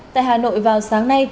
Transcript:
tại hà nội vào sáng nay